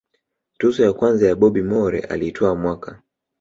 tuzo ya kwanza ya Bobby Moore alitwaa mwaka